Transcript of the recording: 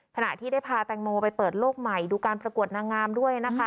ขณะที่ได้พาแตงโมไปเปิดโลกใหม่ดูการประกวดนางงามด้วยนะคะ